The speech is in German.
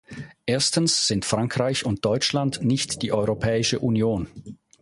Erstens sind Frankreich und Deutschland nicht die Europäische Union.